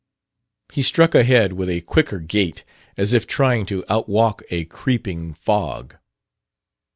He struck ahead with a quicker gait, as if trying to outwalk a creeping fog.